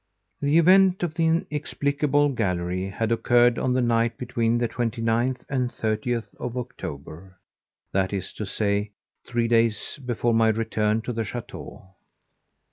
The event of the inexplicable gallery had occurred on the night between the 29th and 30th of October, that is to say, three days before my return to the chateau.